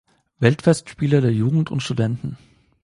Weltfestspiele der Jugend und Studenten.